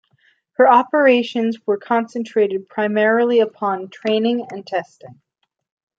Her operations were concentrated primarily upon training and testing.